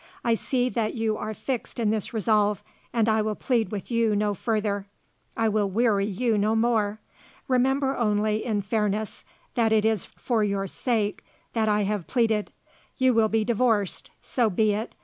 "I see that you are fixed in this resolve and I will plead with you no further. I will weary you no more. Remember only, in fairness, that it is for your sake that I have pleaded. You will be divorced; so be it.